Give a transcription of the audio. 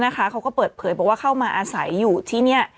เขาก็เปิดเผยบอกว่าเข้ามาอาศัยอยู่ที่นี่